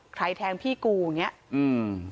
ใครแทงพี่กูเนี้ยอืม